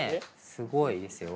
すごいですよ。